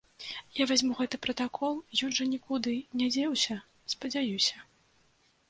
Я вазьму гэты пратакол, ён жа нікуды не дзеўся, спадзяюся.